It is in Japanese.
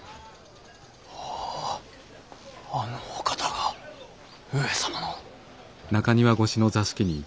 おぉあのお方が上様の。